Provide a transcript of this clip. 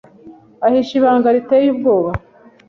ahishe ibanga riteye ubwoba.